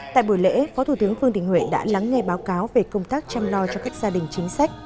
tại buổi lễ phó thủ tướng vương đình huệ đã lắng nghe báo cáo về công tác chăm lo cho các gia đình chính sách